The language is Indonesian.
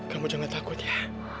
kamu jangan takut ya